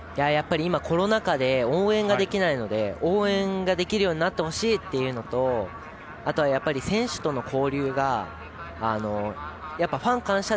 今、コロナ禍で応援ができないので応援ができるようになってほしいというのとあとは、選手との交流がファン感謝